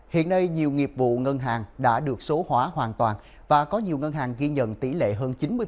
hiện nay nhiều nghiệp vụ ngân hàng đã được số hóa hoàn toàn và có nhiều ngân hàng ghi nhận tỷ lệ hơn chín mươi